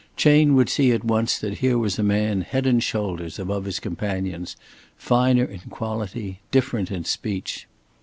Chayne would see at once that here was a man head and shoulders above his companions, finer in quality, different in speech.